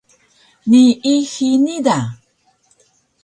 Nii hini da!